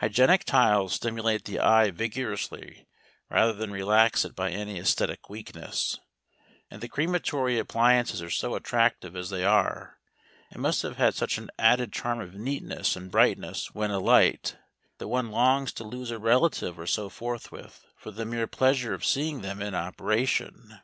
Hygienic tiles stimulate the eye vigorously rather than relax it by any æsthetic weakness; and the crematory appliances are so attractive as they are, and must have such an added charm of neatness and brightness when alight, that one longs to lose a relative or so forthwith, for the mere pleasure of seeing them in operation.